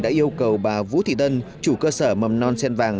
đã yêu cầu bà vũ thị tân chủ cơ sở mầm non sen vàng